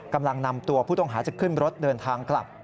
กำลังนำตัวผู้ต้องหาจะขึ้นรถเดินทางกลับ